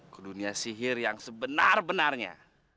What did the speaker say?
ke dunia sihir yang sebenar benarnya